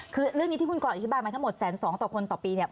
คือเรื่องนี้ที่คุณกรอธิบายมาทั้งหมดแสนสองต่อคนต่อปีเนี่ย